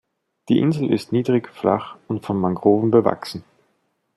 Die Insel ist niedrig, flach und von Mangroven bewachsen.